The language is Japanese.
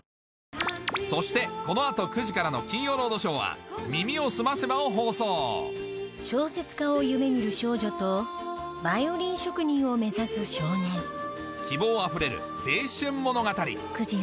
そしてこの後９時からの『金曜ロードショー』は『耳をすませば』を放送小説家を夢見る少女とバイオリン職人を目指す少年希望あふれる青春物語９時よ